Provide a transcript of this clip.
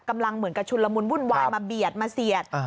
เหมือนกับชุนละมุนวุ่นวายมาเบียดมาเสียด